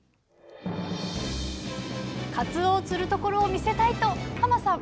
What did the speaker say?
かつおを釣るところを見せたい！とさん